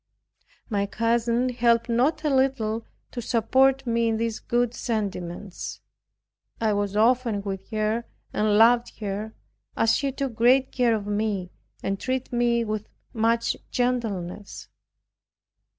My cousin helped not a little, to support me in these good sentiments; I was often with her, and loved her, as she took great care of me, and treated me with much gentleness.